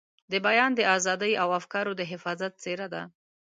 د بیان د ازادۍ او افکارو د حفاظت څېره ده.